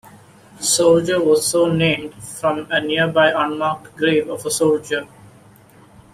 Soldier was so named from a nearby unmarked grave of a soldier.